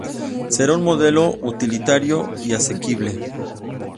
Será un modelo utilitario y asequible.